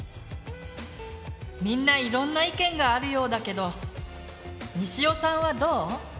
みんないろんな意見があるようだけどにしおさんはどう？